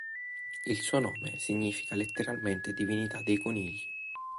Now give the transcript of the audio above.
Il suo nome significa letteralmente "divinità dei conigli".